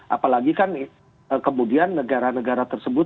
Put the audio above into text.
apalagi kan kemudian negara negara tersebut